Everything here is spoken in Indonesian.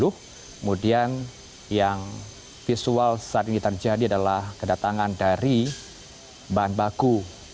kemudian yang visual saat ini terjadi adalah kedatangan dari bahan baku